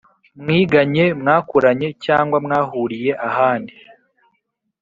mwiganye mwakuranye cg mwahuriye ahandi